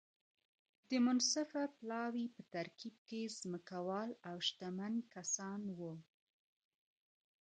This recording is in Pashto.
د منصفه پلاوي په ترکیب کې ځمکوال او شتمن کسان وو.